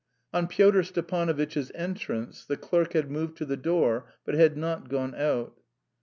On Pyotr Stepanovitch's entrance the clerk had moved to the door, but had not gone out.